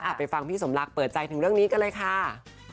ไปฟังพี่สมรักเปิดใจถึงเรื่องนี้กันเลยค่ะ